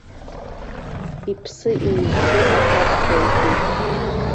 Иԥсы еизго аҭак ҟаиҵеит.